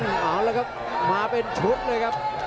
เอาละครับมาเป็นชุดเลยครับ